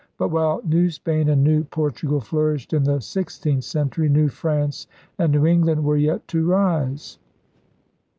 But, while New Spain and New Por tugal flourished in the sixteenth century, New France and New England were yet to rise.